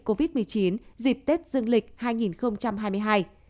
covid một mươi chín dịp tết dương lịch